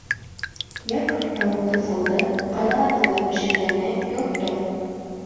Яков тауыҡты салды, ҡайнаған һыуҙа бешекләне, йолҡто.